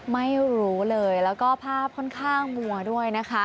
ไม่รู้เลยแล้วก็ภาพค่อนข้างมัวด้วยนะคะ